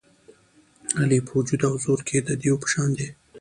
علي په وجود او زور کې د دېو په شان دی.